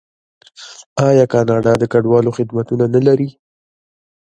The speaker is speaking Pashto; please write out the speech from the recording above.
آیا کاناډا د کډوالو خدمتونه نلري؟